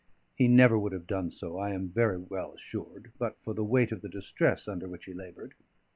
He never would have done so, I am very well assured, but for the weight of the distress under which he laboured.